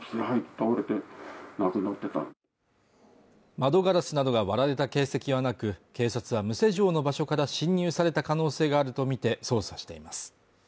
窓ガラスなどが割られた形跡はなく警察は無施錠の場所から侵入された可能性があるとみて捜査しています